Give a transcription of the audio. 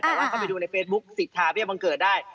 แต่ว่าเข้าไปดูในเฟซบุ๊คสิทธาเบี้ยบังเกิดได้